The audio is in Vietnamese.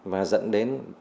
và dẫn đến